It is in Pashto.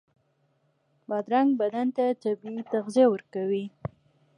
بادرنګ بدن ته طبعي تغذیه ورکوي.